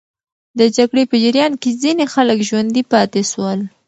د جګړې په جریان کې ځینې خلک ژوندي پاتې سول.